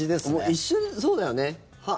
一瞬、そうだよね。